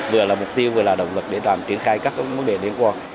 vừa là mục tiêu vừa là động lực để triển khai các vấn đề liên quan